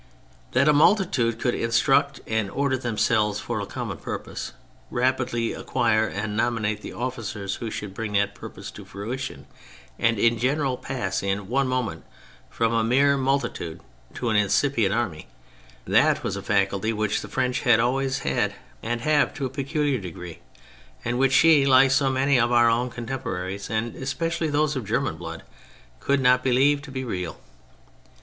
That a multitude could instruct and order t'lemselves for a common purpose, rapidly acquire and nominate the officers who should bring that purpose to fruition, and in general pass in one moment from a mere multitude to an incipient army — that was a faculty which the French had and have to a peculiar degree, and which she (like so many of our own contemporaries, and especially those of German blood) could not believe to be real.